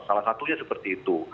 salah satunya seperti itu